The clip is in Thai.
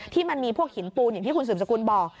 ที่มีพวกหินปูนอย่างที่คุณสืบสกุลบอก